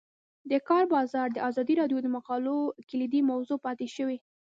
د کار بازار د ازادي راډیو د مقالو کلیدي موضوع پاتې شوی.